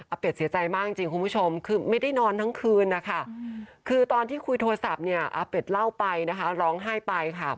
อาเป็ดเสียใจมากจริงคุณผู้ชมคือไม่ได้นอนทั้งคืนนะคะ